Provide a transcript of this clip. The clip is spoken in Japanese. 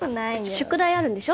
宿題あるんでしょ？